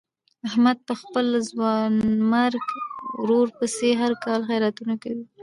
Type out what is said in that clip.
احمد په خپل ځوانیمرګ ورور پسې هر کال خیراتونه کوي.